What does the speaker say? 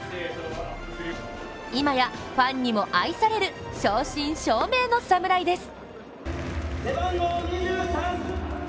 今や、ファンにも愛される正真正銘の侍です。